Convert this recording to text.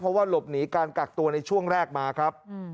เพราะว่าหลบหนีการกักตัวในช่วงแรกมาครับ